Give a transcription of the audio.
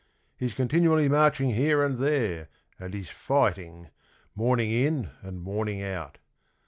He's continually marching here and there And he's fighting, morning in and morning out.